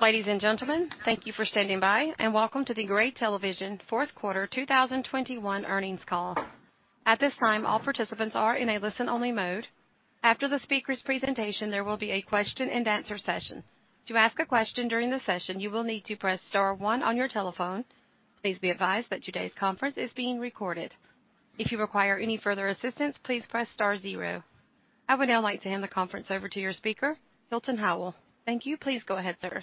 Ladies and gentlemen, thank you for standing by, and welcome to the Gray Television Fourth Quarter 2021 Earnings Call. At this time, all participants are in a listen-only mode. After the speaker's presentation, there will be a question-and-answer session. To ask a question during the session, you will need to press star one on your telephone. Please be advised that today's conference is being recorded. If you require any further assistance, please press star zero. I would now like to hand the conference over to your speaker, Hilton Howell. Thank you. Please go ahead, sir.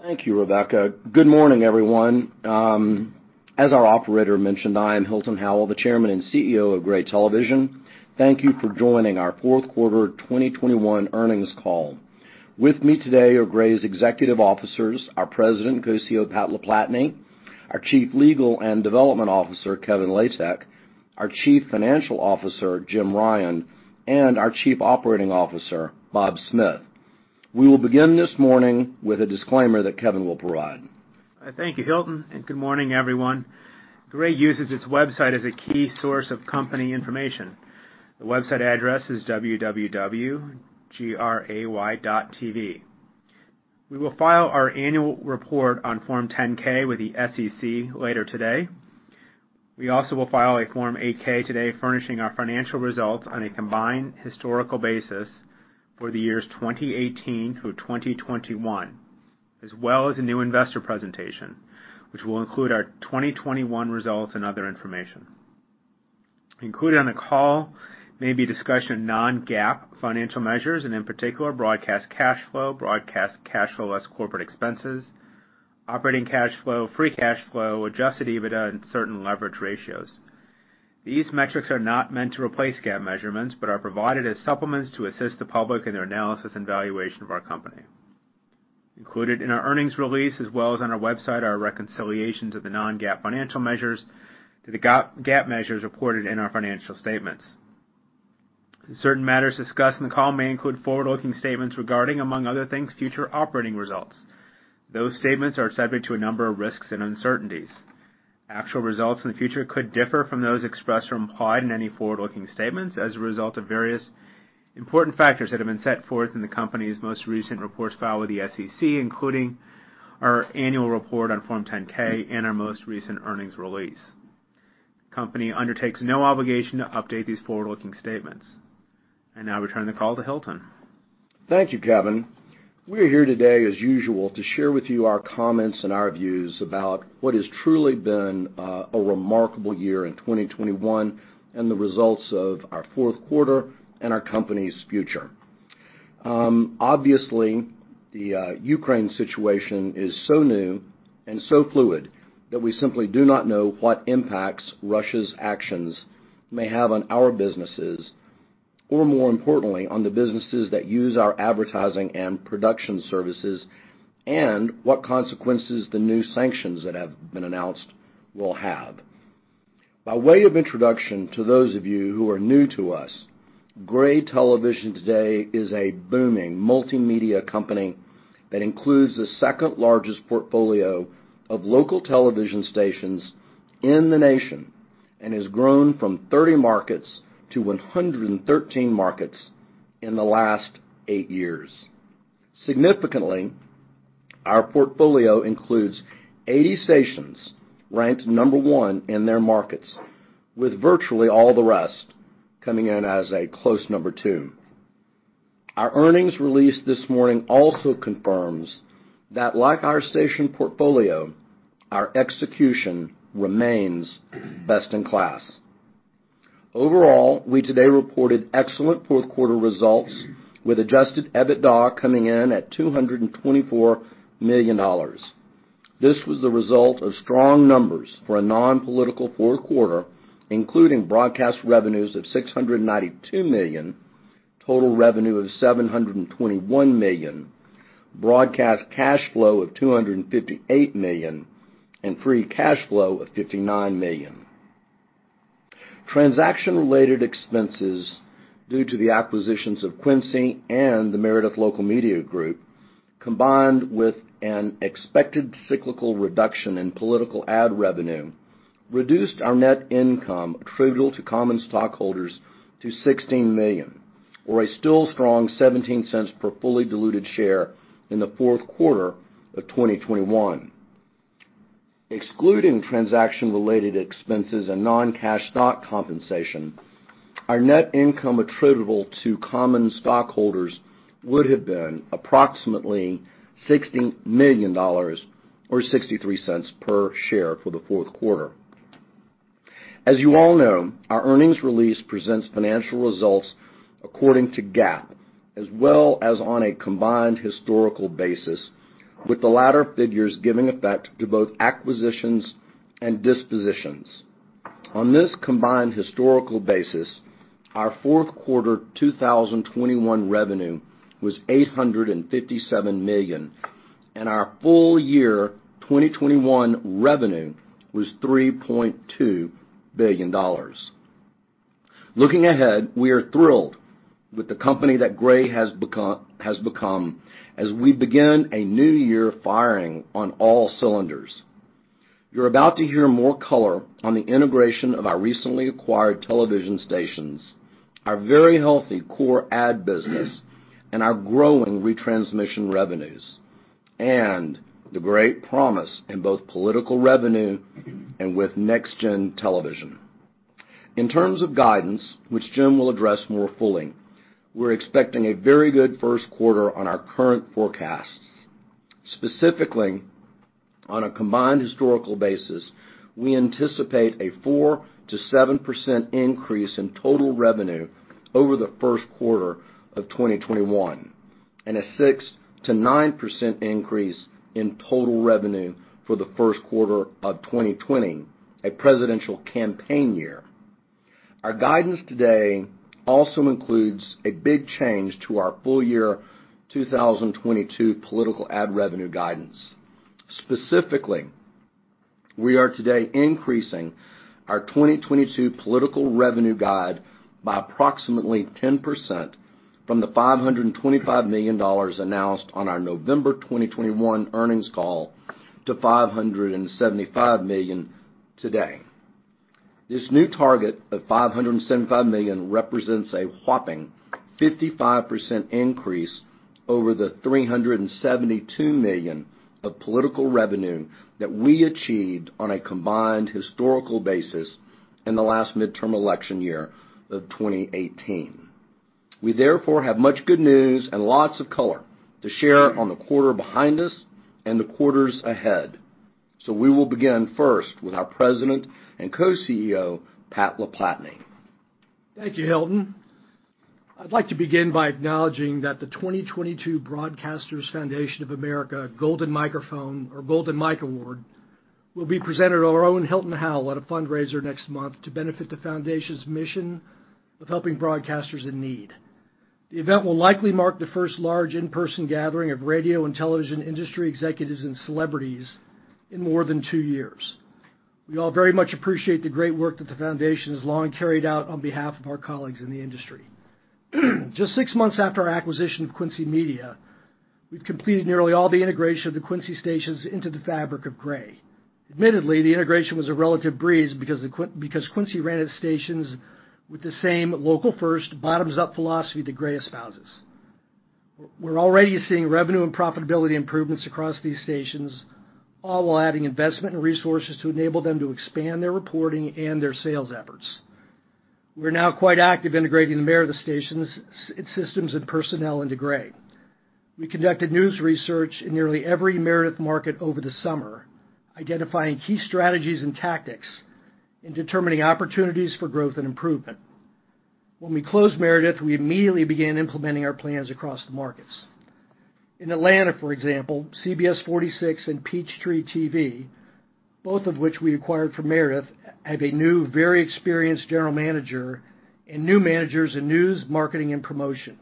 Thank you, Rebecca. Good morning, everyone. As our operator mentioned, I am Hilton Howell, the Chairman and CEO of Gray Television. Thank you for joining our fourth quarter 2021 earnings call. With me today are Gray's executive officers, our President and Co-COO, Pat LaPlatney, our Chief Legal and Development Officer, Kevin Latek, our Chief Financial Officer, Jim Ryan, and our Chief Operating Officer, Bob Smith. We will begin this morning with a disclaimer that Kevin will provide. Thank you, Hilton, and good morning, everyone. Gray uses its website as a key source of company information. The website address is www.gray.tv. We will file our annual report on Form 10-K with the SEC later today. We also will file a Form 8-K today furnishing our financial results on a combined historical basis for the years 2018 through 2021, as well as a new investor presentation, which will include our 2021 results and other information. Included on the call may be a discussion of non-GAAP financial measures, and in particular, broadcast cash flow, broadcast cash flow less corporate expenses, operating cash flow, free cash flow, adjusted EBITDA, and certain leverage ratios. These metrics are not meant to replace GAAP measurements, but are provided as supplements to assist the public in their analysis and valuation of our company. Included in our earnings release, as well as on our website, are reconciliations of the non-GAAP financial measures to the GAAP measures reported in our financial statements. Certain matters discussed in the call may include forward-looking statements regarding, among other things, future operating results. Those statements are subject to a number of risks and uncertainties. Actual results in the future could differ from those expressed or implied in any forward-looking statements as a result of various important factors that have been set forth in the company's most recent reports filed with the SEC, including our annual report on Form 10-K and our most recent earnings release. The company undertakes no obligation to update these forward-looking statements. Now I return the call to Hilton. Thank you, Kevin. We are here today, as usual, to share with you our comments and our views about what has truly been a remarkable year in 2021 and the results of our fourth quarter and our company's future. Obviously, the Ukraine situation is so new and so fluid that we simply do not know what impacts Russia's actions may have on our businesses, or more importantly, on the businesses that use our advertising and production services, and what consequences the new sanctions that have been announced will have. By way of introduction to those of you who are new to us, Gray Television today is a booming multimedia company that includes the second-largest portfolio of local television stations in the nation and has grown from 30 markets to 113 markets in the last eight years. Significantly, our portfolio includes 80 stations ranked number one in their markets, with virtually all the rest coming in as a close number two. Our earnings release this morning also confirms that, like our station portfolio, our execution remains best in class. Overall, we today reported excellent fourth quarter results, with adjusted EBITDA coming in at $224 million. This was the result of strong numbers for a non-political fourth quarter, including broadcast revenues of $692 million, total revenue of $721 million, broadcast cash flow of $258 million, and free cash flow of $59 million. Transaction-related expenses due to the acquisitions of Quincy Media and the Meredith Local Media Group, combined with an expected cyclical reduction in political ad revenue, reduced our net income attributable to common stockholders to $16 million or a still strong 17 cents per fully diluted share in the fourth quarter of 2021. Excluding transaction-related expenses and non-cash stock compensation, our net income attributable to common stockholders would have been approximately $60 million or $0.63 per share for the fourth quarter. As you all know, our earnings release presents financial results according to GAAP as well as on a combined historical basis, with the latter figures giving effect to both acquisitions and dispositions. On this combined historical basis, our fourth quarter 2021 revenue was $857 million, and our full year 2021 revenue was $3.2 billion. Looking ahead, we are thrilled with the company that Gray has become as we begin a new year firing on all cylinders. You're about to hear more color on the integration of our recently acquired television stations, our very healthy core ad business, and our growing retransmission revenues, and the great promise in both political revenue and with next-gen television. In terms of guidance, which Jim will address more fully, we're expecting a very good first quarter on our current forecasts. Specifically, on a combined historical basis, we anticipate a 4%-7% increase in total revenue over the first quarter of 2021, and a 6%-9% increase in total revenue for the first quarter of 2020, a presidential campaign year. Our guidance today also includes a big change to our full year 2022 political ad revenue guidance. Specifically, we are today increasing our 2022 political revenue guide by approximately 10% from the $525 million announced on our November 2021 earnings call to $575 million today. This new target of $575 million represents a whopping 55% increase over the $372 million of political revenue that we achieved on a combined historical basis in the last midterm election year of 2018. We therefore have much good news and lots of color to share on the quarter behind us and the quarters ahead. We will begin first with our President and Co-CEO, Pat LaPlatney. Thank you, Hilton. I'd like to begin by acknowledging that the 2022 Broadcasters Foundation of America Golden Mike Award will be presented to our own Hilton Howell at a fundraiser next month to benefit the foundation's mission of helping broadcasters in need. The event will likely mark the first large in-person gathering of radio and television industry executives and celebrities in more than two years. We all very much appreciate the great work that the foundation has long carried out on behalf of our colleagues in the industry. Just six months after our acquisition of Quincy Media, we've completed nearly all the integration of the Quincy stations into the fabric of Gray. Admittedly, the integration was a relative breeze because Quincy ran its stations with the same local first, bottoms-up philosophy that Gray espouses. We're already seeing revenue and profitability improvements across these stations, all while adding investment and resources to enable them to expand their reporting and their sales efforts. We're now quite active integrating the Meredith stations, systems, and personnel into Gray. We conducted news research in nearly every Meredith market over the summer, identifying key strategies and tactics and determining opportunities for growth and improvement. When we closed Meredith, we immediately began implementing our plans across the markets. In Atlanta, for example, CBS 46 and Peachtree TV, both of which we acquired from Meredith, have a new, very experienced general manager and new managers in news, marketing, and promotion.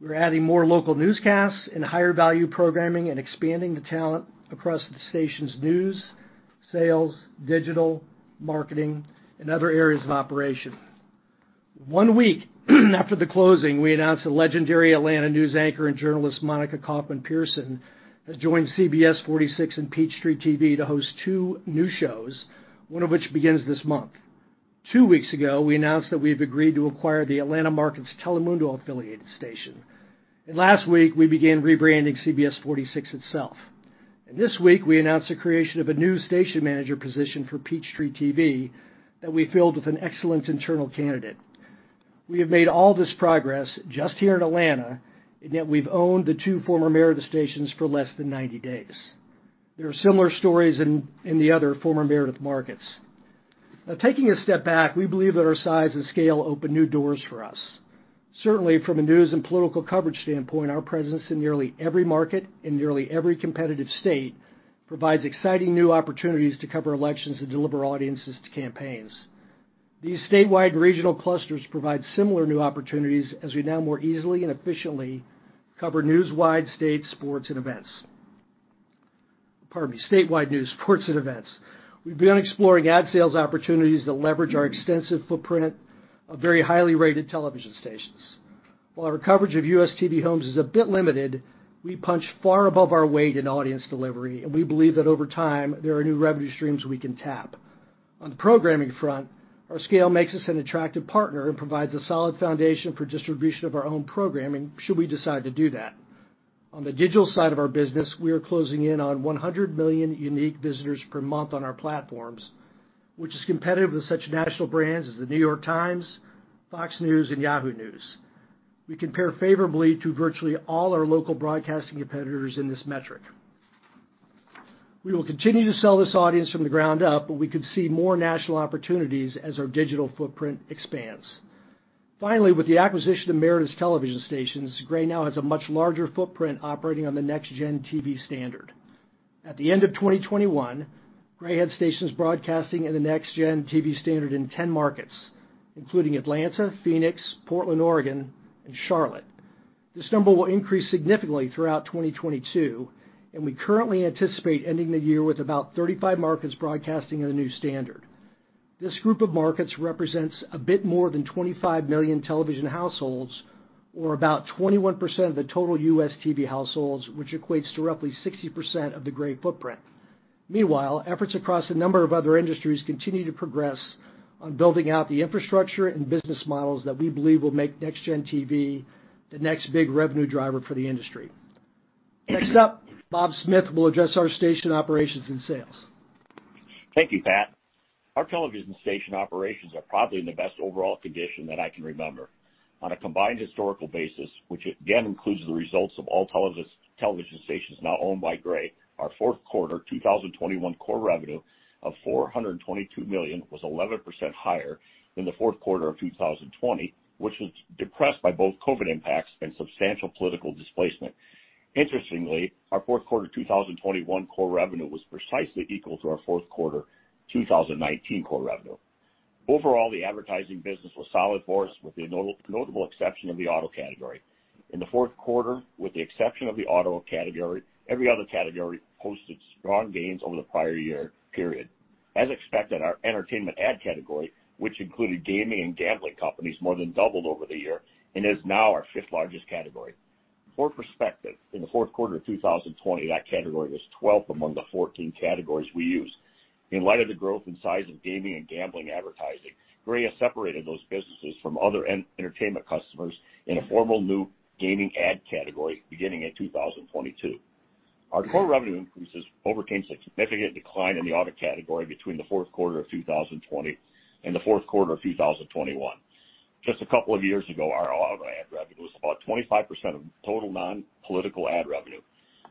We're adding more local newscasts and higher value programming and expanding the talent across the station's news, sales, digital, marketing, and other areas of operation. One week after the closing, we announced the legendary Atlanta news anchor and journalist Monica Kaufman Pearson has joined CBS 46 and Peachtree TV to host two new shows, one of which begins this month. Two weeks ago, we announced that we've agreed to acquire the Atlanta market's Telemundo-affiliated station. Last week, we began rebranding CBS 46 itself. This week, we announced the creation of a new station manager position for Peachtree TV that we filled with an excellent internal candidate. We have made all this progress just here in Atlanta, and yet we've owned the two former Meredith stations for less than 90 days. There are similar stories in the other former Meredith markets. Now, taking a step back, we believe that our size and scale open new doors for us. Certainly, from a news and political coverage standpoint, our presence in nearly every market, in nearly every competitive state provides exciting new opportunities to cover elections and deliver audiences to campaigns. These statewide regional clusters provide similar new opportunities as we now more easily and efficiently cover statewide news, sports, and events. We've been exploring ad sales opportunities that leverage our extensive footprint of very highly rated television stations. While our coverage of U.S. TV homes is a bit limited, we punch far above our weight in audience delivery, and we believe that over time, there are new revenue streams we can tap. On the programming front, our scale makes us an attractive partner and provides a solid foundation for distribution of our own programming should we decide to do that. On the digital side of our business, we are closing in on 100 million unique visitors per month on our platforms, which is competitive with such national brands as The New York Times, Fox News, and Yahoo News. We compare favorably to virtually all our local broadcasting competitors in this metric. We will continue to sell this audience from the ground up, but we could see more national opportunities as our digital footprint expands. Finally, with the acquisition of Meredith's television stations, Gray now has a much larger footprint operating on the NextGen TV standard. At the end of 2021, Gray had stations broadcasting in the NextGen TV standard in 10 markets, including Atlanta, Phoenix, Portland, Oregon, and Charlotte. This number will increase significantly throughout 2022, and we currently anticipate ending the year with about 35 markets broadcasting in the new standard. This group of markets represents a bit more than 25 million television households or about 21% of the total U.S. TV households, which equates to roughly 60% of the Gray footprint. Meanwhile, efforts across a number of other industries continue to progress on building out the infrastructure and business models that we believe will make NextGen TV the next big revenue driver for the industry. Next up, Bob Smith will address our station operations and sales. Thank you, Pat. Our television station operations are probably in the best overall condition that I can remember. On a combined historical basis, which again includes the results of all television stations now owned by Gray, our fourth quarter 2021 core revenue of $422 million was 11% higher than the fourth quarter of 2020, which was depressed by both COVID impacts and substantial political displacement. Interestingly, our fourth quarter 2021 core revenue was precisely equal to our fourth quarter 2019 core revenue. Overall, the advertising business was solid for us, with the notable exception of the auto category. In the fourth quarter, with the exception of the auto category, every other category posted strong gains over the prior year period. As expected, our entertainment ad category, which included gaming and gambling companies, more than doubled over the year and is now our fifth largest category. For perspective, in the fourth quarter of 2020, that category was 12th among the 14 categories we use. In light of the growth in size of gaming and gambling advertising, Gray has separated those businesses from other entertainment customers in a formal new gaming ad category beginning in 2022. Our core revenue increases overcame significant decline in the auto category between the fourth quarter of 2020 and the fourth quarter of 2021. Just a couple of years ago, our auto ad revenue was about 25% of total non-political ad revenue.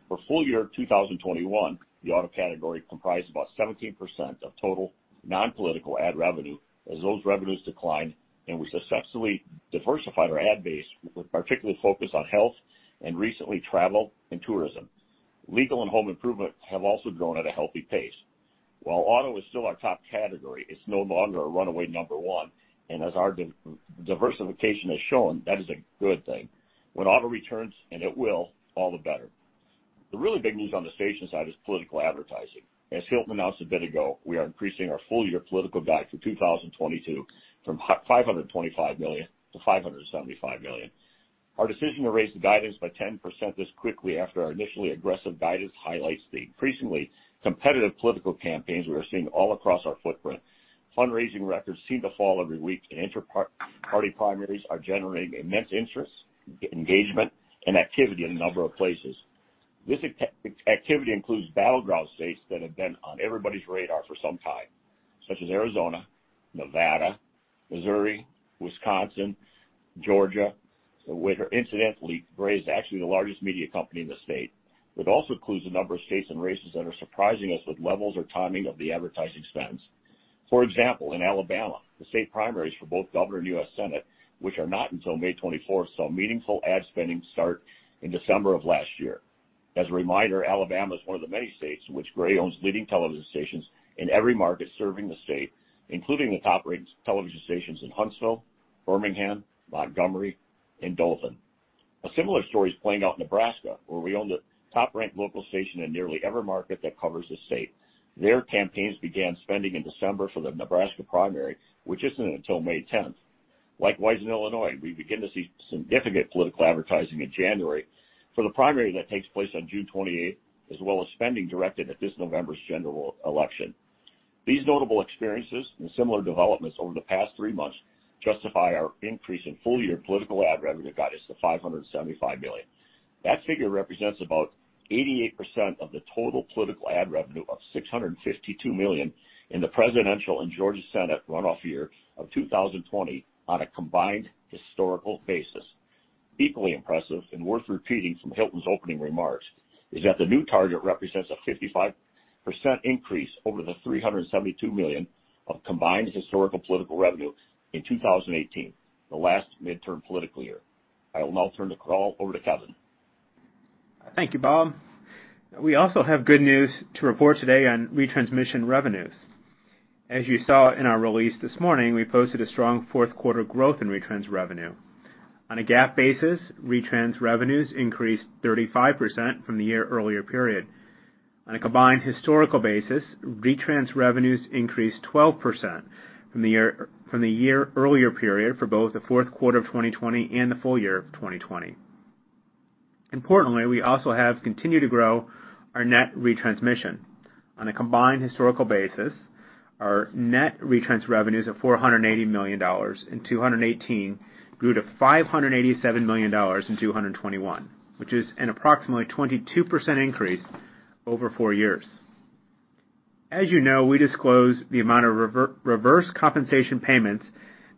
For full year 2021, the auto category comprised about 17% of total non-political ad revenue as those revenues declined, and we successfully diversified our ad base with particular focus on health and recently travel and tourism. Legal and home improvement have also grown at a healthy pace. While auto is still our top category, it's no longer a runaway number one, and as our diversification has shown, that is a good thing. When auto returns, and it will, all the better. The really big news on the station side is political advertising. As Hilton announced a bit ago, we are increasing our full-year political guide for 2022 from $525 million to $575 million. Our decision to raise the guidance by 10% this quickly after our initially aggressive guidance highlights the increasingly competitive political campaigns we are seeing all across our footprint. Fundraising records seem to fall every week, and intra-party primaries are generating immense interest, engagement, and activity in a number of places. This activity includes battleground states that have been on everybody's radar for some time, such as Arizona, Nevada, Missouri, Wisconsin, Georgia, where incidentally, Gray is actually the largest media company in the state, but also includes a number of states and races that are surprising us with levels or timing of the advertising spends. For example, in Alabama, the state primaries for both governor and U.S. Senate, which are not until May 24, saw meaningful ad spending start in December of last year. As a reminder, Alabama is one of the many states which Gray owns leading television stations in every market serving the state, including the top-ranked television stations in Huntsville, Birmingham, Montgomery, and Dothan. A similar story is playing out in Nebraska, where we own the top-ranked local station in nearly every market that covers the state. Their campaigns began spending in December for the Nebraska primary, which isn't until May 10. Likewise, in Illinois, we begin to see significant political advertising in January for the primary that takes place on June 28 as well as spending directed at this November's general election. These notable experiences and similar developments over the past three months justify our increase in full-year political ad revenue guidance to $575 million. That figure represents about 88% of the total political ad revenue of $652 million in the presidential and Georgia Senate runoff year of 2020 on a combined historical basis. Equally impressive and worth repeating from Hilton's opening remarks, is that the new target represents a 55% increase over the $372 million of combined historical political revenue in 2018, the last midterm political year. I will now turn the call over to Kevin. Thank you, Bob. We also have good news to report today on retransmission revenues. As you saw in our release this morning, we posted a strong fourth quarter growth in retrans revenue. On a GAAP basis, retrans revenues increased 35% from the year earlier period. On a combined historical basis, retrans revenues increased 12% from the year earlier period for both the fourth quarter of 2020 and the full year of 2020. Importantly, we also have continued to grow our net retransmission. On a combined historical basis, our net retrans revenues of $480 million in 2018 grew to $587 million in 2021, which is an approximately 22% increase over four years. As you know, we disclose the amount of reverse compensation payments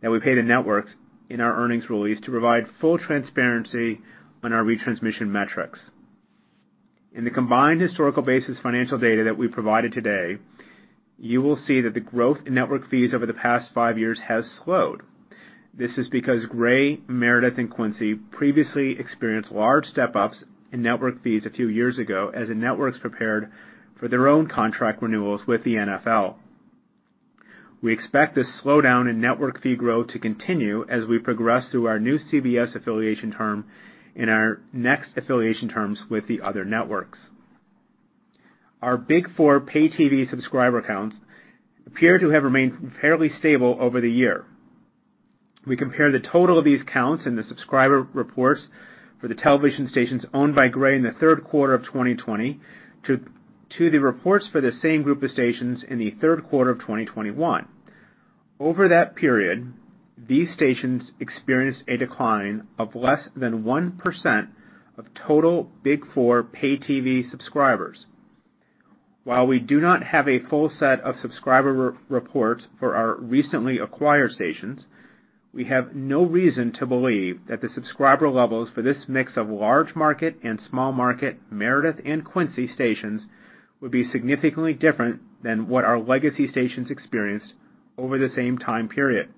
that we pay the networks in our earnings release to provide full transparency on our retransmission metrics. In the combined historical basis financial data that we provided today, you will see that the growth in network fees over the past five years has slowed. This is because Gray, Meredith, and Quincy previously experienced large step-ups in network fees a few years ago as the networks prepared for their own contract renewals with the NFL. We expect this slowdown in network fee growth to continue as we progress through our new CBS affiliation term and our next affiliation terms with the other networks. Our Big Four pay TV subscriber counts appear to have remained fairly stable over the year. We compare the total of these counts in the subscriber reports for the television stations owned by Gray in the third quarter of 2020 to the reports for the same group of stations in the third quarter of 2021. Over that period, these stations experienced a decline of less than 1% of total Big Four pay TV subscribers. While we do not have a full set of subscriber reports for our recently acquired stations, we have no reason to believe that the subscriber levels for this mix of large market and small market Meredith and Quincy stations would be significantly different than what our legacy stations experienced over the same time period.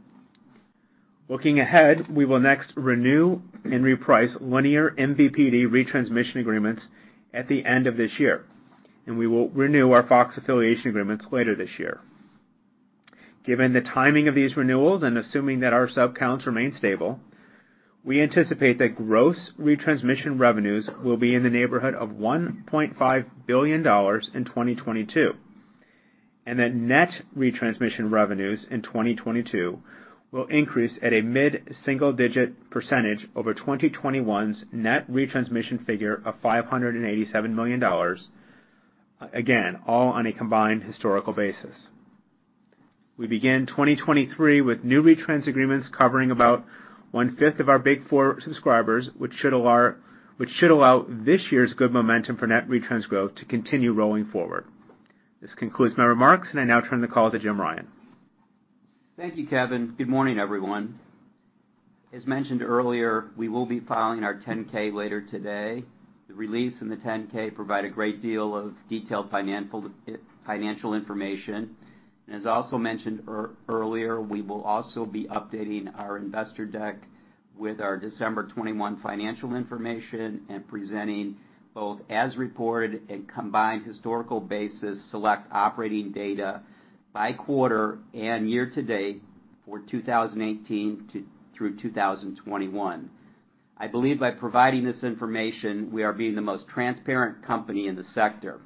Looking ahead, we will next renew and reprice linear MVPD retransmission agreements at the end of this year, and we will renew our Fox affiliation agreements later this year. Given the timing of these renewals, and assuming that our sub counts remain stable, we anticipate that gross retransmission revenues will be in the neighborhood of $1.5 billion in 2022, and that net retransmission revenues in 2022 will increase at a mid-single-digit % over 2021's net retransmission figure of $587 million. Again, all on a combined historical basis. We begin 2023 with new retrans agreements covering about one-fifth of our Big Four subscribers, which should allow this year's good momentum for net retrans growth to continue rolling forward. This concludes my remarks, and I now turn the call to Jim Ryan. Thank you, Kevin. Good morning, everyone. As mentioned earlier, we will be filing our 10-K later today. The release and the 10-K provide a great deal of detailed financial information. As also mentioned earlier, we will also be updating our investor deck with our December 2021 financial information and presenting both as reported and combined historical basis select operating data by quarter and year to date for 2018 through 2021. I believe by providing this information, we are being the most transparent company in the sector.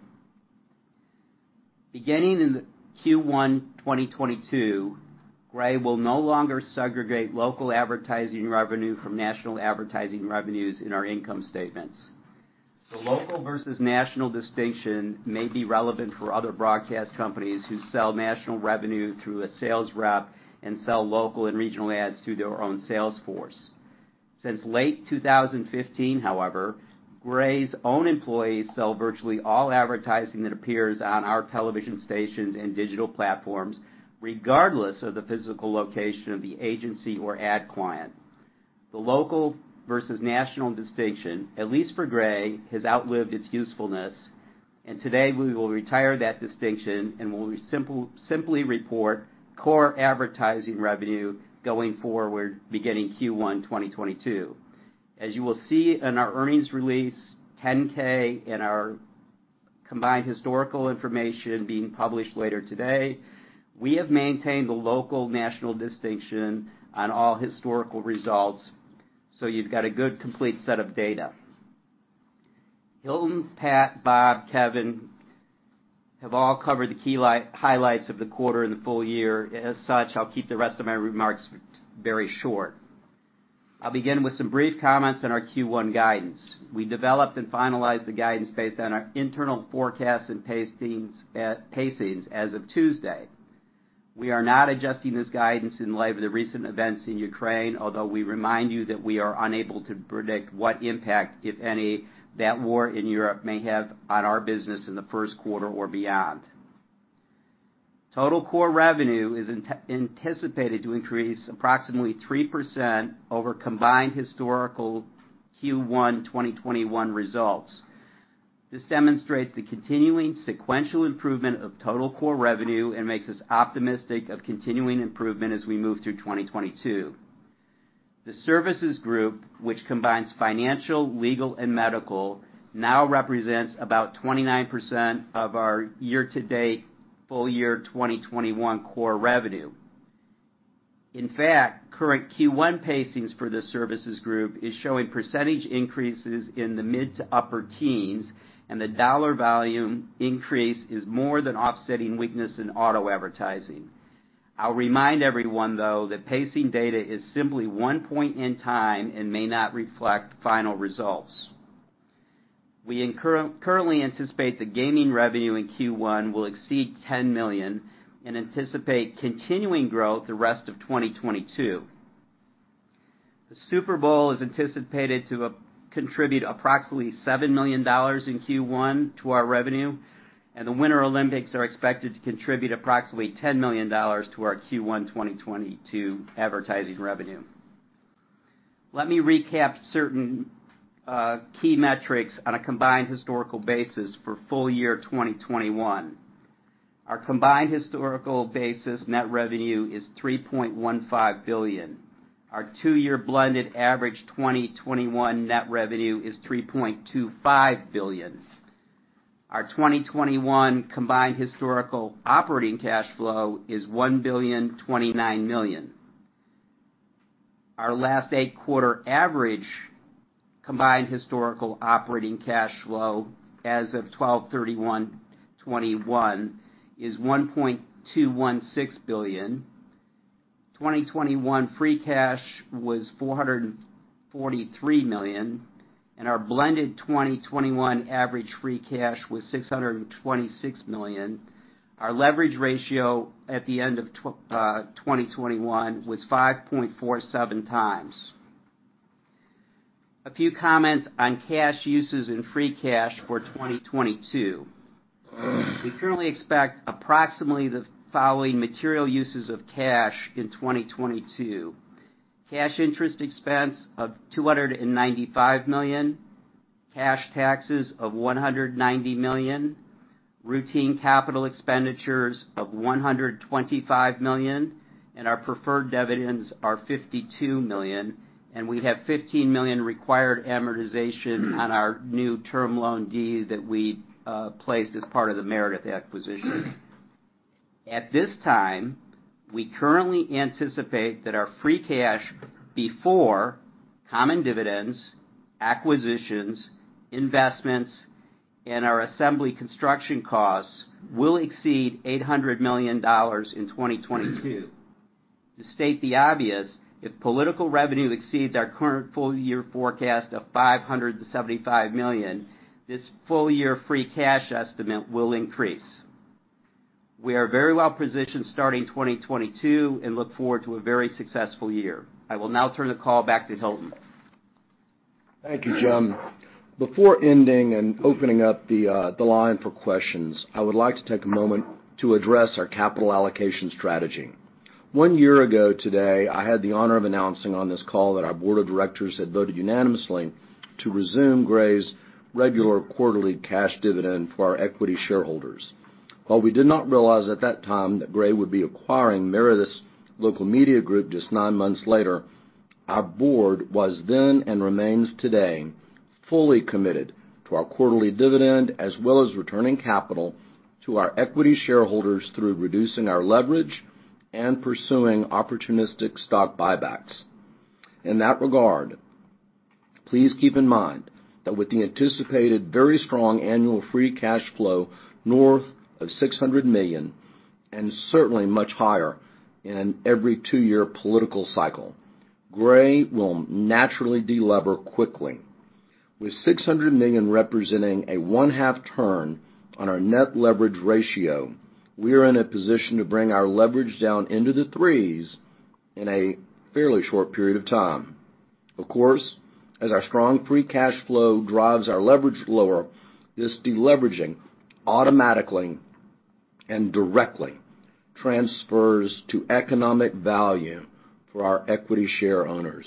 Beginning in the Q1 2022, Gray will no longer segregate local advertising revenue from national advertising revenues in our income statements. The local versus national distinction may be relevant for other broadcast companies who sell national revenue through a sales rep and sell local and regional ads through their own sales force. Since late 2015, however, Gray's own employees sell virtually all advertising that appears on our television stations and digital platforms, regardless of the physical location of the agency or ad client. The local versus national distinction, at least for Gray, has outlived its usefulness, and today we will retire that distinction and we'll simply report core advertising revenue going forward, beginning Q1 2022. As you will see in our earnings release, 10-K and our combined historical information being published later today, we have maintained the local national distinction on all historical results, so you've got a good complete set of data. Hilton, Pat, Bob, Kevin have all covered the key highlights of the quarter and the full year. As such, I'll keep the rest of my remarks very short. I'll begin with some brief comments on our Q1 guidance. We developed and finalized the guidance based on our internal forecasts and pacings as of Tuesday. We are not adjusting this guidance in light of the recent events in Ukraine, although we remind you that we are unable to predict what impact, if any, that war in Europe may have on our business in the first quarter or beyond. Total core revenue is anticipated to increase approximately 3% over combined historical Q1 2021 results. This demonstrates the continuing sequential improvement of total core revenue and makes us optimistic of continuing improvement as we move through 2022. The services group, which combines financial, legal, and medical, now represents about 29% of our year-to-date full year 2021 core revenue. In fact, current Q1 pacings for the services group is showing percentage increases in the mid- to upper teens%, and the dollar volume increase is more than offsetting weakness in auto advertising. I'll remind everyone, though, that pacing data is simply one point in time and may not reflect final results. We currently anticipate the gaming revenue in Q1 will exceed $10 million and anticipate continuing growth the rest of 2022. The Super Bowl is anticipated to contribute approximately $7 million in Q1 to our revenue, and the Winter Olympics are expected to contribute approximately $10 million to our Q1 2022 advertising revenue. Let me recap certain key metrics on a combined historical basis for full year 2021. Our combined historical basis net revenue is $3.15 billion. Our two-year blended average 2021 net revenue is $3.25 billion. Our 2021 combined historical operating cash flow is $1.029 billion. Our last eight quarter average combined historical operating cash flow as of 12/31/2021 is $1.216 billion. 2021 free cash was $443 million, and our blended 2021 average free cash was $626 million. Our leverage ratio at the end of 2021 was 5.47 times. A few comments on cash uses and free cash for 2022. We currently expect approximately the following material uses of cash in 2022. Cash interest expense of $295 million, cash taxes of $190 million, routine capital expenditures of $125 million, and our preferred dividends are $52 million, and we have $15 million required amortization on our new term loan D's that we placed as part of the Meredith acquisition. At this time, we currently anticipate that our free cash before common dividends, acquisitions, investments, and our facilities construction costs will exceed $800 million in 2022. To state the obvious, if political revenue exceeds our current full year forecast of $575 million, this full year free cash estimate will increase. We are very well positioned starting 2022 and look forward to a very successful year. I will now turn the call back to Hilton. Thank you, Jim. Before ending and opening up the line for questions, I would like to take a moment to address our capital allocation strategy. One year ago today, I had the honor of announcing on this call that our board of directors had voted unanimously to resume Gray's regular quarterly cash dividend for our equity shareholders. While we did not realize at that time that Gray would be acquiring Meredith Local Media Group just nine months later, our board was then and remains today fully committed to our quarterly dividend, as well as returning capital to our equity shareholders through reducing our leverage and pursuing opportunistic stock buybacks. In that regard, please keep in mind that with the anticipated very strong annual free cash flow north of $600 million, and certainly much higher in every two-year political cycle, Gray will naturally de-lever quickly. With $600 million representing a one-half turn on our net leverage ratio, we are in a position to bring our leverage down into the threes in a fairly short period of time. Of course, as our strong free cash flow drives our leverage lower, this de-leveraging automatically and directly transfers to economic value for our equity shareowners.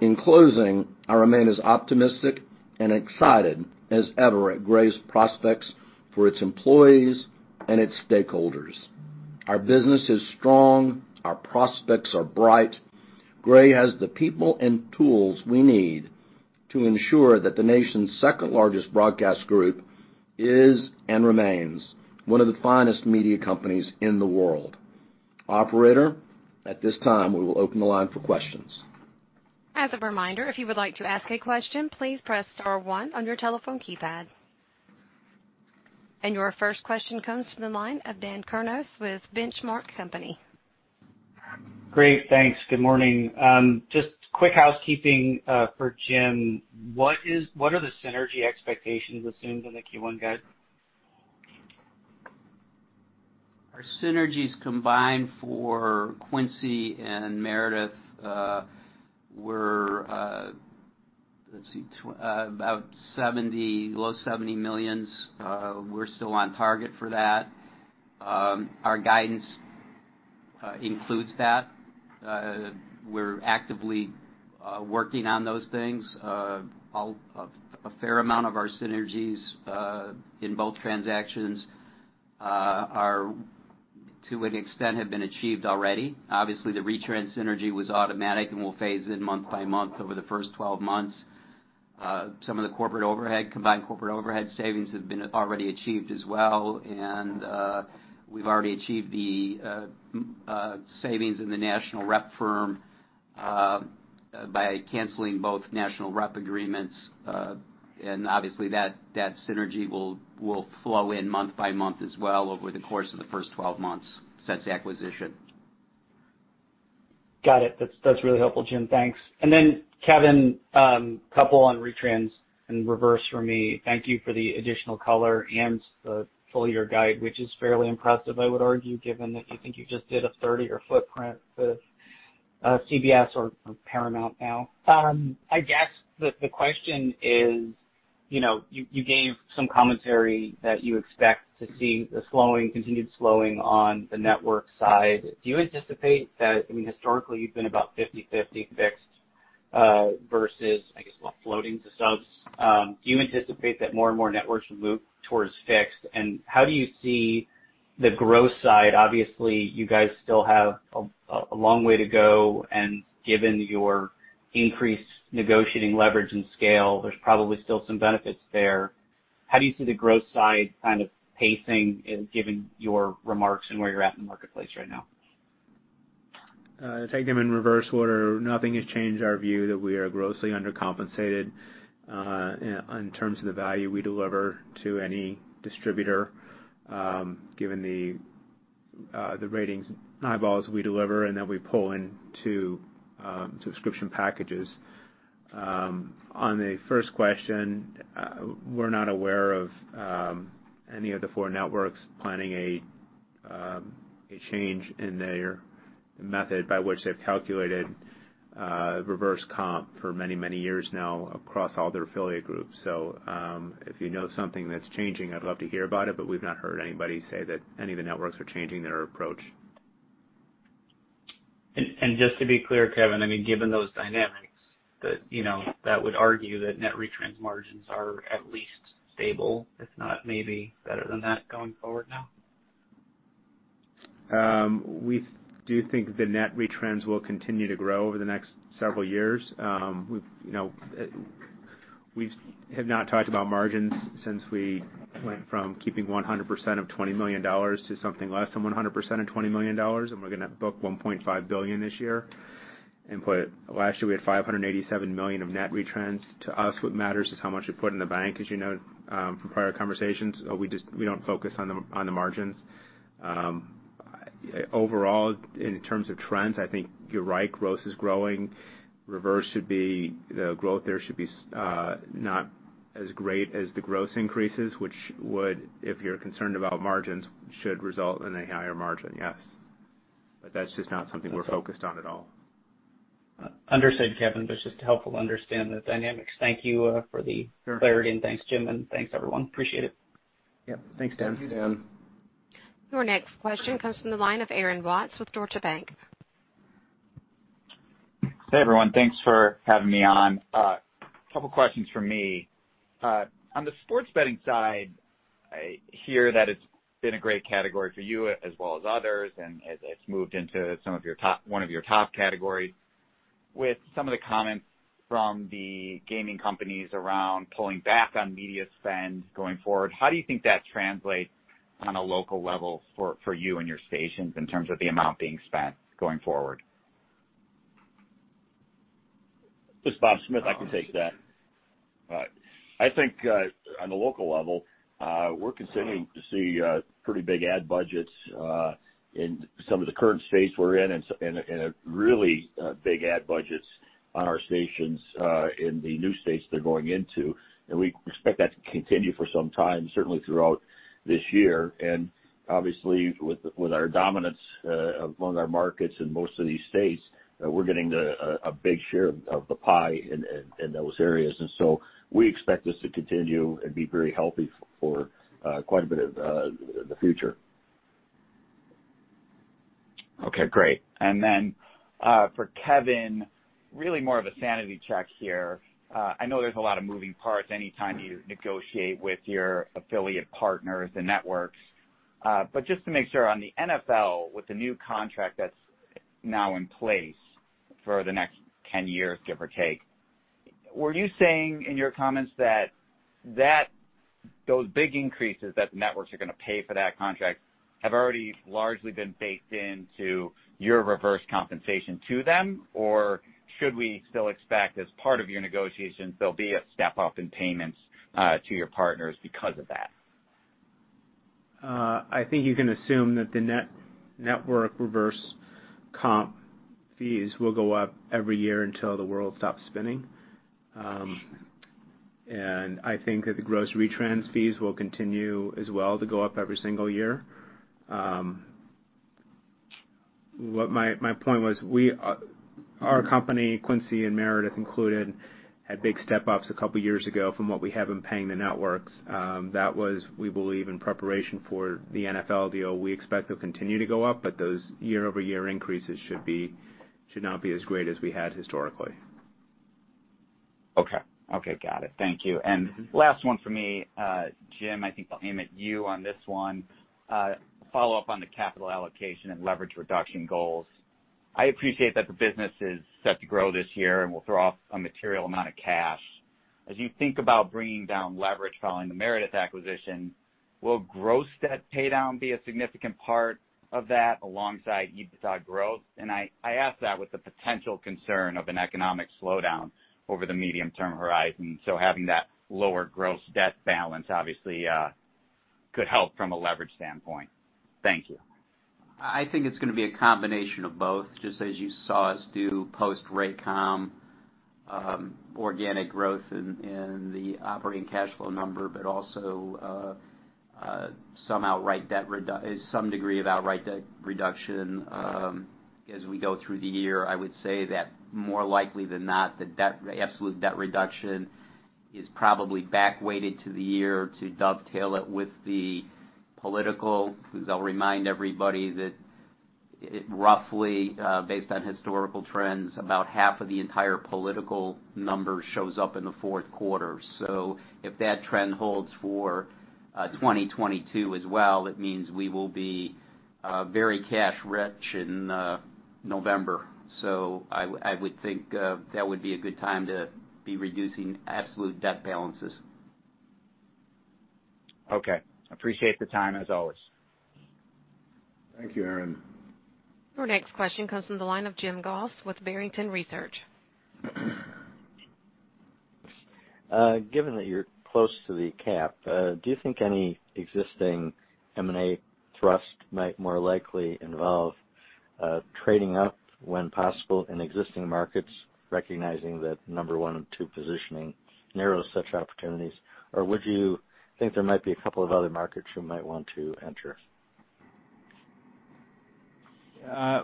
In closing, I remain as optimistic and excited as ever at Gray's prospects for its employees and its stakeholders. Our business is strong, our prospects are bright. Gray has the people and tools we need to ensure that the nation's second-largest broadcast group is and remains one of the finest media companies in the world. Operator, at this time, we will open the line for questions. As a reminder, if you would like to ask a question, please press star one on your telephone keypad. Your first question comes from the line of Dan Kurnos with The Benchmark Company. Great, thanks. Good morning. Just quick housekeeping for Jim. What are the synergy expectations assumed in the Q1 guide? Our synergies combined for Quincy and Meredith were about $70 million. We're still on target for that. Our guidance includes that. We're actively working on those things. A fair amount of our synergies in both transactions are to an extent have been achieved already. Obviously, the retrans synergy was automatic and will phase in month by month over the first 12 months. Some of the corporate overhead, combined corporate overhead savings have been already achieved as well, and we've already achieved the savings in the national rep firm by canceling both national rep agreements. Obviously that synergy will flow in month by month as well over the course of the first 12 months since acquisition. Got it. That's really helpful, Jim. Thanks. Kevin, couple on retrans in reverse for me. Thank you for the additional color and the full-year guide, which is fairly impressive, I would argue, given that you think you just did a 30% footprint with CBS or Paramount now. I guess the question is, you gave some commentary that you expect to see the slowing, continued slowing on the network side. Do you anticipate that, I mean, historically, you've been about 50-50 fixed versus I guess what, floating to subs. Do you anticipate that more and more networks will move towards fixed? How do you see the growth side? Obviously, you guys still have a long way to go, and given your increased negotiating leverage and scale, there's probably still some benefits there. How do you see the growth side kind of pacing given your remarks and where you're at in the marketplace right now? Take them in reverse order. Nothing has changed our view that we are grossly undercompensated in terms of the value we deliver to any distributor, given the ratings eyeballs we deliver and that we pull into subscription packages. On the first question, we're not aware of any of the four networks planning a change in their method by which they've calculated reverse comp for many, many years now across all their affiliate groups. If you know something that's changing, I'd love to hear about it, but we've not heard anybody say that any of the networks are changing their approach. Just to be clear, Kevin, I mean, given those dynamics that, you know, that would argue that net retrans margins are at least stable, if not maybe better than that going forward now? We do think the net retrans will continue to grow over the next several years. We've, you know, we have not talked about margins since we went from keeping 100% of $20 million to something less than 100% of $20 million, and we're gonna book $1.5 billion this year. Last year, we had $587 million of net retrans. To us, what matters is how much we put in the bank. As you know, from prior conversations, we just, we don't focus on the margins. Overall, in terms of trends, I think you're right, gross is growing. Reverse should be, the growth there should be not as great as the gross increases, which would, if you're concerned about margins, should result in a higher margin, yes. That's just not something we're focused on at all. Understood, Kevin. It's just too helpful to understand the dynamics. Thank you for the- Sure. Clarity. Thanks, Jim, and thanks, everyone. Appreciate it. Yep. Thanks, Dan. Thanks, Dan. Your next question comes from the line of Aaron Watts with Deutsche Bank. Hey, everyone. Thanks for having me on. Couple questions from me. On the sports betting side, I hear that it's been a great category for you as well as others, and it's moved into one of your top categories. With some of the comments from the gaming companies around pulling back on media spend going forward, how do you think that translates on a local level for you and your stations in terms of the amount being spent going forward? This is Bob Smith. I can take that. I think on the local level we're continuing to see pretty big ad budgets in some of the current states we're in and a really big ad budgets on our stations in the new states they're going into. We expect that to continue for some time, certainly throughout this year. Obviously, with our dominance among our markets in most of these states, we're getting a big share of the pie in those areas. We expect this to continue and be very healthy for quite a bit of the future. Okay, great. Then, for Kevin, really more of a sanity check here. I know there's a lot of moving parts anytime you negotiate with your affiliate partners and networks. Just to make sure on the NFL, with the new contract that's now in place for the next 10 years, give or take, were you saying in your comments that those big increases that the networks are gonna pay for that contract have already largely been baked into your reverse compensation to them? Or should we still expect as part of your negotiations, there'll be a step-up in payments to your partners because of that? I think you can assume that the network reverse comp fees will go up every year until the world stops spinning. I think that the gross retrans fees will continue as well to go up every single year. What my point was, we, our company, Quincy and Meredith included, had big step-ups a couple years ago from what we had been paying the networks. That was, we believe, in preparation for the NFL deal. We expect they'll continue to go up, but those year-over-year increases should not be as great as we had historically. Okay. Got it. Thank you. Mm-hmm. Last one for me, Jim, I think I'll aim at you on this one. Follow up on the capital allocation and leverage reduction goals. I appreciate that the business is set to grow this year and will throw off a material amount of cash. As you think about bringing down leverage following the Meredith acquisition, will gross debt paydown be a significant part of that alongside EBITDA growth? I ask that with the potential concern of an economic slowdown over the medium-term horizon. Having that lower gross debt balance obviously could help from a leverage standpoint. Thank you. I think it's gonna be a combination of both, just as you saw us do post Raycom, organic growth in the operating cash flow number, but also some degree of outright debt reduction as we go through the year. I would say that more likely than not, the debt, absolute debt reduction is probably back weighted to the year to dovetail it with the political, because I'll remind everybody that it roughly, based on historical trends, about half of the entire political number shows up in the fourth quarter. If that trend holds for 2022 as well, it means we will be very cash-rich in November. I would think that would be a good time to be reducing absolute debt balances. Okay. I appreciate the time, as always. Thank you, Aaron. Your next question comes from the line of Jim Goss with Barrington Research. Given that you're close to the cap, do you think any existing M&A thrust might more likely involve trading up when possible in existing markets, recognizing that number one and two positioning narrows such opportunities? Or would you think there might be a couple of other markets you might want to enter?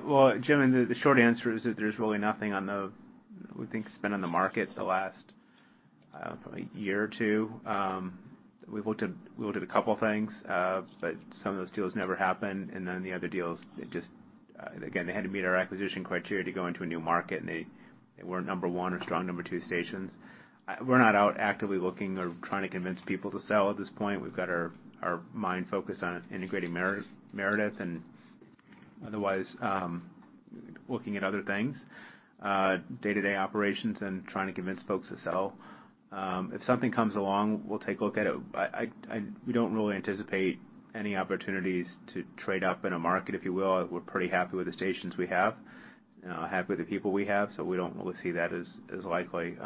Well, Jim, the short answer is that there's really nothing that we think has been on the market the last probably year or two. We've looked at a couple of things, but some of those deals never happened, and then the other deals, they just again had to meet our acquisition criteria to go into a new market, and they weren't number one or strong number two stations. We're not out actively looking or trying to convince people to sell at this point. We've got our mind focused on integrating Meredith and otherwise looking at other things, day-to-day operations and trying to convince folks to sell. If something comes along, we'll take a look at it. We don't really anticipate any opportunities to trade up in a market, if you will. We're pretty happy with the stations we have, happy with the people we have, so we don't really see that as likely.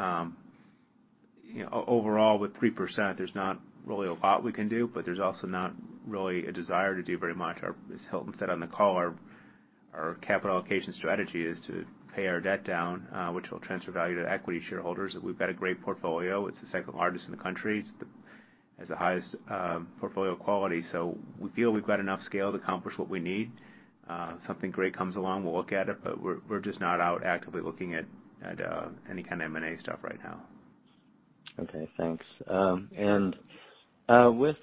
Overall, with 3%, there's not really a lot we can do, but there's also not really a desire to do very much. As Hilton said on the call, our capital allocation strategy is to pay our debt down, which will transfer value to equity shareholders. We've got a great portfolio. It's the second largest in the country. It has the highest portfolio quality. We feel we've got enough scale to accomplish what we need. If something great comes along, we'll look at it, but we're just not out actively looking at any kind of M&A stuff right now. Okay. Thanks. With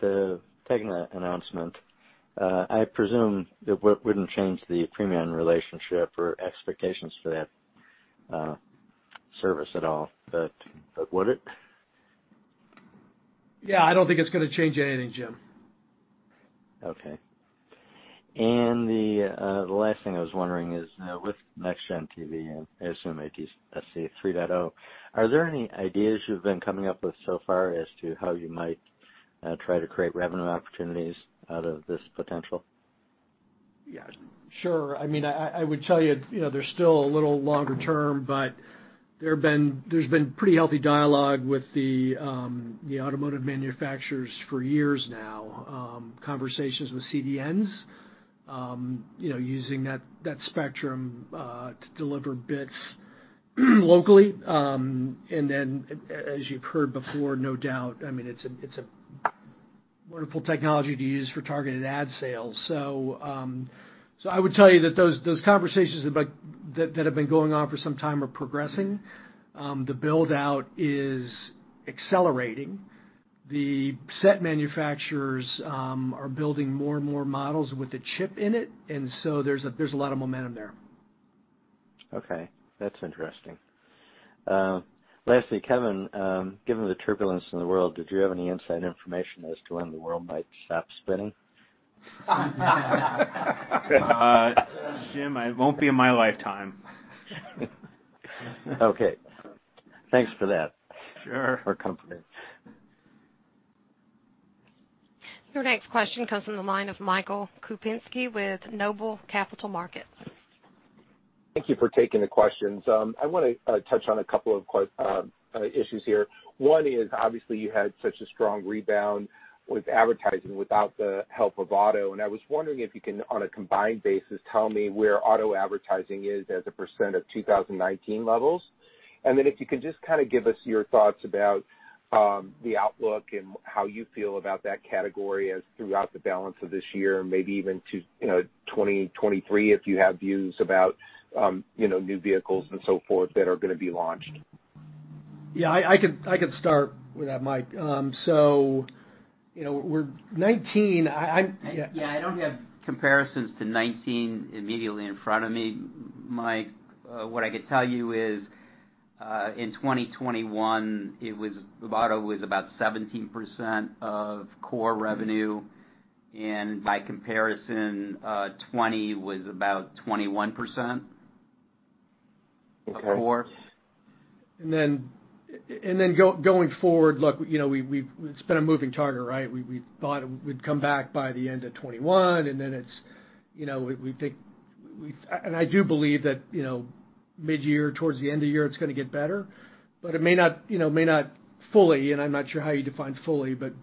the TEGNA announcement, I presume that wouldn't change the Premion relationship or expectations for that service at all, would it? Yeah. I don't think it's gonna change anything, Jim. Okay. The last thing I was wondering is, with NextGen TV and ATSC 3.0, are there any ideas you've been coming up with so far as to how you might try to create revenue opportunities out of this potential? Yeah, sure. I mean, I would tell you know, they're still a little longer term, but there's been pretty healthy dialogue with the automotive manufacturers for years now, conversations with CDNs, you know, using that spectrum to deliver bits locally. And then as you've heard before, no doubt, I mean, it's a wonderful technology to use for targeted ad sales. So I would tell you that those conversations that have been going on for some time are progressing. The build-out is accelerating. The set manufacturers are building more and more models with the chip in it, and so there's a lot of momentum there. Okay. That's interesting. Lastly, Kevin, given the turbulence in the world, did you have any inside information as to when the world might stop spinning? Jim, it won't be in my lifetime. Okay. Thanks for that. Sure For confidence. Your next question comes from the line of Michael Kupinski with Noble Capital Markets. Thank you for taking the questions. I wanna touch on a couple of issues here. One is, obviously, you had such a strong rebound with advertising without the help of auto, and I was wondering if you can, on a combined basis, tell me where auto advertising is as a percent of 2019 levels. If you could just kinda give us your thoughts about the outlook and how you feel about that category and throughout the balance of this year, maybe even to 2023, if you have views about new vehicles and so forth that are gonna be launched. Yeah, I could start with that, Mike. So, you know, 19, I'm Yeah, I don't have comparisons to 2019 immediately in front of me, Mike. What I could tell you is, in 2021, the auto was about 17% of core revenue, and by comparison, 2020 was about 21%. Okay. Of course. Going forward, look, you know, it's been a moving target, right? We thought we'd come back by the end of 2021, and then it's, you know, we think we've and I do believe that, you know, mid-year towards the end of year, it's gonna get better. It may not, you know, may not fully, and I'm not sure how you define fully, but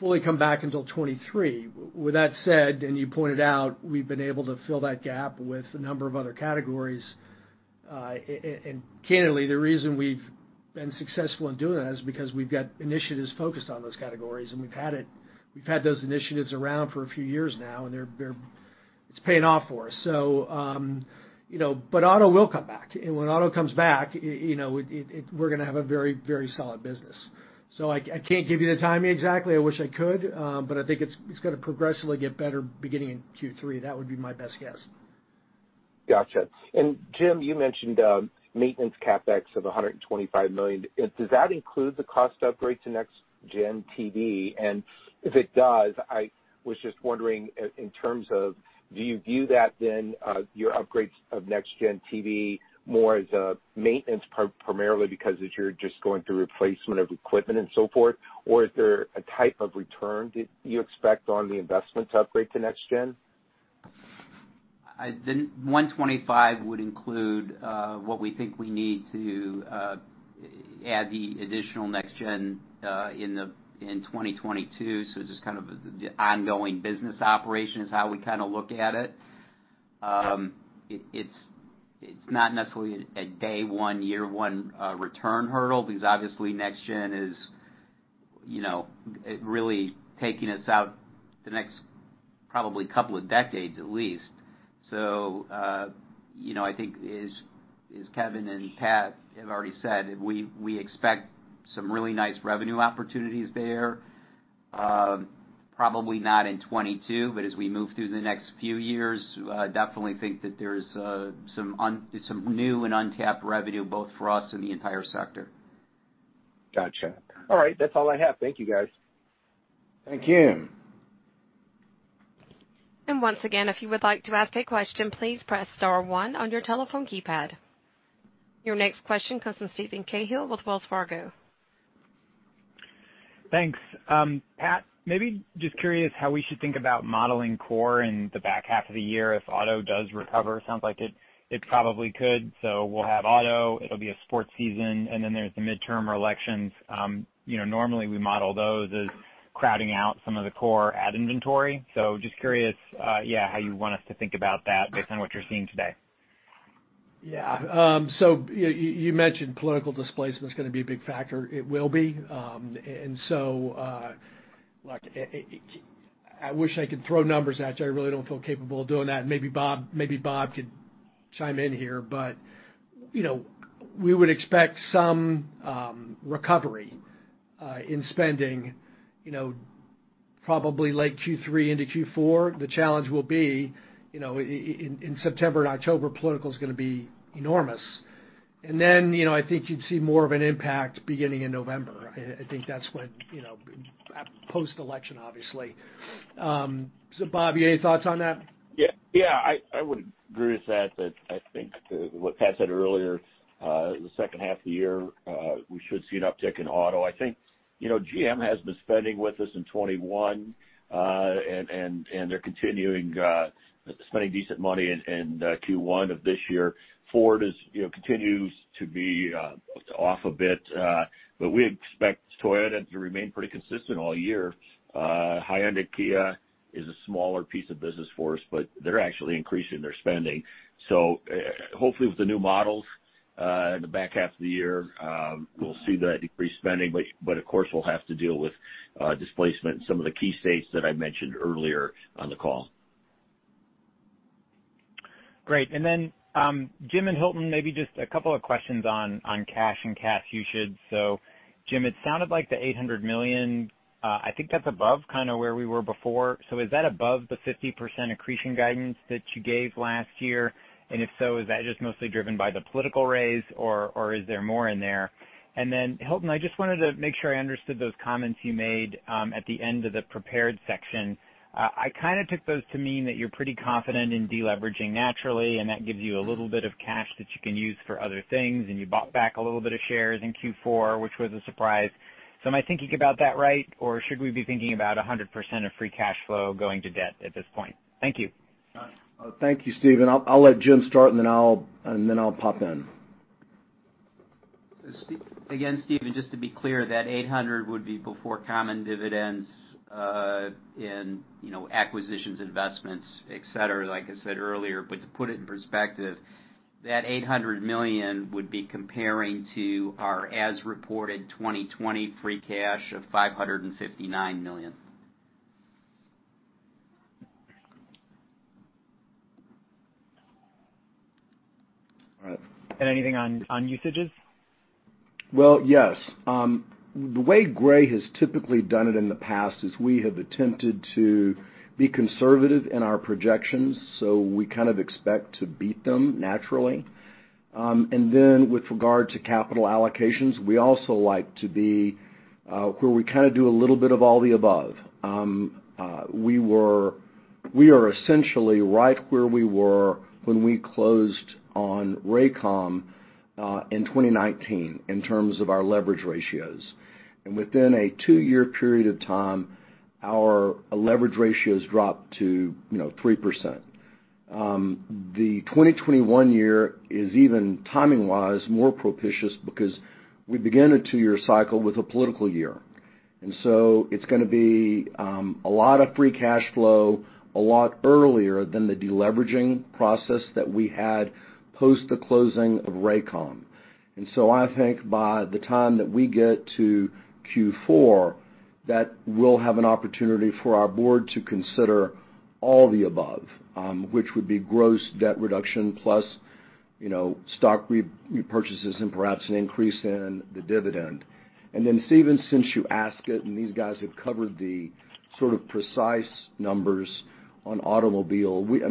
fully come back until 2023. With that said, and you pointed out, we've been able to fill that gap with a number of other categories. Candidly, the reason we've been successful in doing that is because we've got initiatives focused on those categories, and we've had those initiatives around for a few years now, and they're paying off for us. You know, but auto will come back. When auto comes back, you know, it, we're gonna have a very, very solid business. I can't give you the timing exactly, I wish I could, but I think it's gonna progressively get better beginning in Q3. That would be my best guess. Gotcha. Jim, you mentioned maintenance CapEx of $125 million. Does that include the cost to upgrade to NextGen TV? If it does, I was just wondering in terms of do you view that then your upgrades of NextGen TV more as a maintenance primarily because as you're just going through replacement of equipment and so forth? Or is there a type of return do you expect on the investment to upgrade to NextGen TV? The $125 would include what we think we need to add the additional NextGen in 2022, so just kind of the ongoing business operation is how we kinda look at it. It's not necessarily a day one, year one return hurdle because obviously NextGen is, you know, it's really taking us into the next probably couple of decades at least. You know, I think as Kevin and Pat have already said, we expect some really nice revenue opportunities there. Probably not in 2022, but as we move through the next few years, definitely think that there's some new and untapped revenue both for us and the entire sector. Gotcha. All right. That's all I have. Thank you guys. Thank you. Once again, if you would like to ask a question, please press star one on your telephone keypad. Your next question comes from Steven Cahall with Wells Fargo. Thanks. Pat, maybe just curious how we should think about modeling core in the back half of the year if auto does recover. Sounds like it probably could. We'll have auto, it'll be a sports season, and then there's the midterm elections. You know, normally we model those as crowding out some of the core ad inventory. Just curious, yeah, how you want us to think about that based on what you're seeing today. Yeah. You mentioned political displacement's gonna be a big factor. It will be. Like, I wish I could throw numbers at you. I really don't feel capable of doing that. Maybe Bob could chime in here. You know, we would expect some recovery in spending, you know, probably late Q3 into Q4. The challenge will be, you know, in September and October, political is gonna be enormous. Then, you know, I think you'd see more of an impact beginning in November. I think that's when, you know, post-election, obviously. Bob, you any thoughts on that? Yeah. I would agree with that. I think what Pat said earlier, the second half of the year, we should see an uptick in auto. I think you know GM has been spending with us in 2021 and they're continuing spending decent money in Q1 of this year. Ford continues to be off a bit, but we expect Toyota to remain pretty consistent all year. Hyundai, Kia is a smaller piece of business for us, but they're actually increasing their spending. So hopefully with the new models in the back half of the year we'll see that increased spending. Of course we'll have to deal with displacement in some of the key states that I mentioned earlier on the call. Great. Then, Jim and Hilton, maybe just a couple of questions on cash and cash usage. Jim, it sounded like the $800 million, I think that's above kinda where we were before. Is that above the 50% accretion guidance that you gave last year? If so, is that just mostly driven by the political raise, or is there more in there? Hilton, I just wanted to make sure I understood those comments you made at the end of the prepared section. I kinda took those to mean that you're pretty confident in deleveraging naturally, and that gives you a little bit of cash that you can use for other things, and you bought back a little bit of shares in Q4, which was a surprise. Am I thinking about that right, or should we be thinking about 100% of free cash flow going to debt at this point? Thank you. Thank you, Steven. I'll let Jim start and then I'll pop in. Again, Steven, just to be clear, that 800 would be before common dividends, and you know, acquisitions, investments, et cetera, like I said earlier. To put it in perspective, that $800 million would be comparing to our as reported 2020 free cash of $559 million. All right. Anything on usages? Well, yes. The way Gray has typically done it in the past is we have attempted to be conservative in our projections, so we kind of expect to beat them naturally. With regard to capital allocations, we also like to be where we kinda do a little bit of all the above. We are essentially right where we were when we closed on Raycom in 2019 in terms of our leverage ratios. Within a 2-year period of time, our leverage ratio has dropped to, you know, 3%. The 2021 year is even timing wise more propitious because we began a 2-year cycle with a political year. It's gonna be a lot of free cash flow a lot earlier than the deleveraging process that we had post the closing of Raycom. I think by the time that we get to Q4, that we'll have an opportunity for our board to consider all the above, which would be gross debt reduction plus, you know, stock repurchases and perhaps an increase in the dividend. Steven, since you asked it, and these guys have covered the sort of precise numbers on automobile, I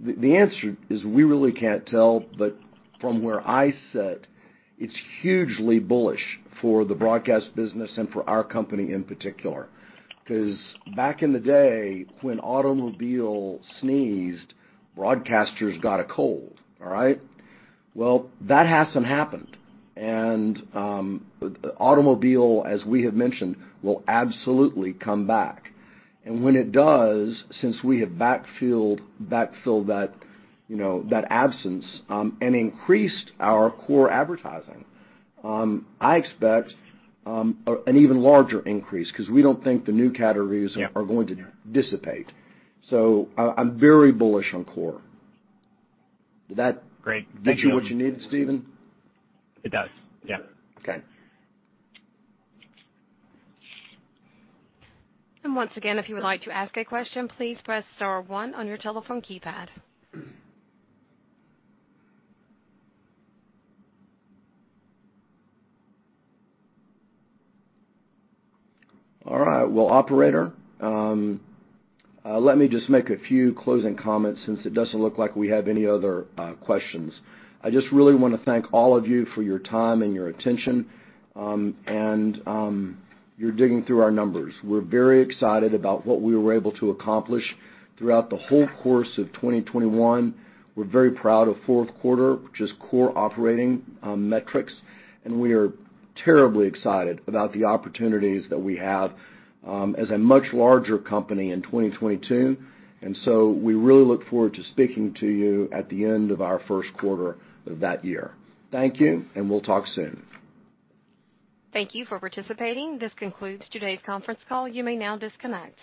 mean, the answer is we really can't tell. From where I sit, it's hugely bullish for the broadcast business and for our company in particular. 'Cause back in the day, when automobile sneezed, broadcasters got a cold, all right? Well, that hasn't happened. Automobile, as we have mentioned, will absolutely come back. When it does, since we have backfilled that, you know, that absence, and increased our core advertising, I expect an even larger increase 'cause we don't think the new categories. Yeah. are going to dissipate. I'm very bullish on core. Great. Thank you. Did I get you what you needed, Steven? It does, yeah. Okay. And once again, if you would like to ask a question, please press star one on your telephone keypad. All right. Well, operator, let me just make a few closing comments since it doesn't look like we have any other questions. I just really wanna thank all of you for your time and your attention, and your digging through our numbers. We're very excited about what we were able to accomplish throughout the whole course of 2021. We're very proud of fourth quarter, which is core operating metrics, and we are terribly excited about the opportunities that we have as a much larger company in 2022. We really look forward to speaking to you at the end of our first quarter of that year. Thank you, and we'll talk soon. Thank you for participating. This concludes today's conference call. You may now disconnect.